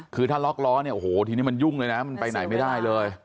คือถ้าล็อกมอบนี้โหตอนนี้มันบ้วยเลยนะมันไปไหนไม่ได้เลย